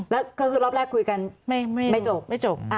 แล้วก็คือรอบแรกคุยกันไม่จบ